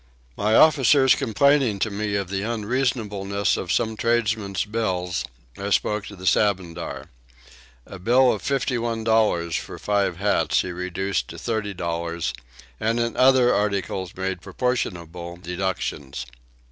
My officers complaining to me of the unreasonableness of some tradesmen's bills I spoke to the Sabandar. A bill of 51 dollars for five hats he reduced to 30 dollars and in other articles made proportionable deductions.